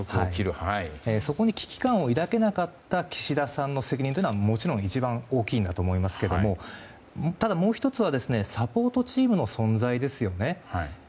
そこに危機感を抱けなかった岸田さんの責任はもちろん一番大きいと思いますがただ、もう１つはサポートチームの存在です。